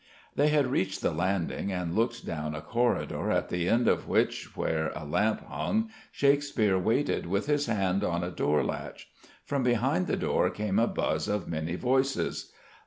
They had reached the landing, and looked down a corridor at the end of which, where a lamp hung, Shakespeare waited with his hand on a door latch. From behind the door came a buzz of many voices.